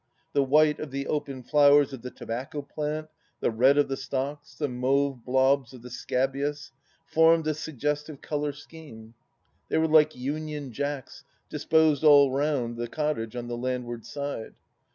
The white of the open flowers of the tobacco plant, the red of the stocks, the mauve blobs of the scabious, formed a suggestive colour scheme. They were like Union Jacks disposed all round the cottage on the landward side.